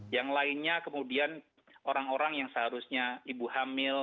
yang lainnya kemudian orang orang yang seharusnya ibu hamil